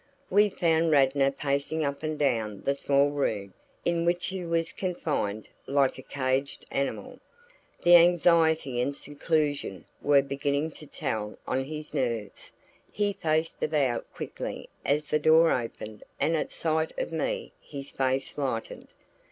We found Radnor pacing up and down the small room in which he was confined, like a caged animal; the anxiety and seclusion were beginning to tell on his nerves. He faced about quickly as the door opened and at sight of me his face lightened.